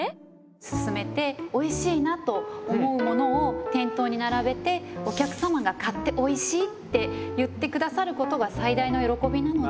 すすめておいしいなと思うものを店頭に並べてお客様が買っておいしいって言ってくださることが最大の喜びなので。